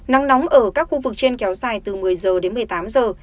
nắng nóng ở các khu vực trên kéo dài từ một mươi giờ đến một mươi tám giờ